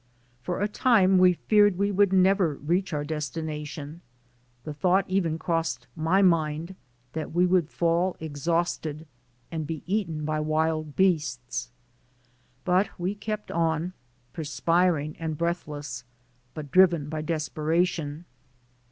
For a time we feared we would never reach our destination; the thought even crossed my mind that we would fall exhausted and be eaten by wild beasts. But we kept on, per spiring and breathless, but driven by desperation.